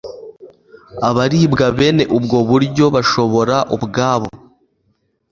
Abaribwa bene ubwo buryo bashobora ubwabo